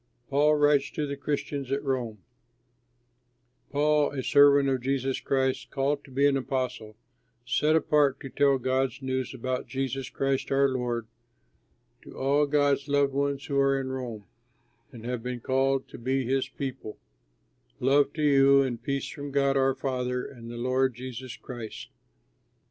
PAUL WRITES TO THE CHRISTIANS AT ROME Paul, a servant of Jesus Christ, called to be an apostle, set apart to tell God's good news about Jesus Christ our Lord, to all God's loved ones who are in Rome and have been called to be his people: Love to you, and peace from God our Father and the Lord Jesus Christ.